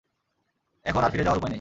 এখন আর ফিরে যাওয়ার উপায় নেই!